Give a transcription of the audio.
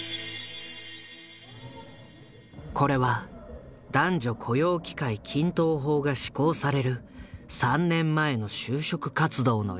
これは男女雇用機会均等法が施行される３年前の就職活動の映像。